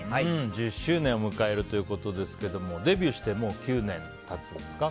１０周年を迎えるということですがデビューしてもう９年経つんですか。